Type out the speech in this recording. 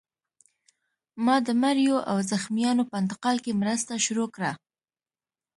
ما د مړیو او زخمیانو په انتقال کې مرسته شروع کړه